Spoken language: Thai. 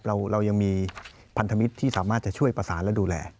เรายังมีพันธมิตรที่สามารถจะช่วยประสานและดูแล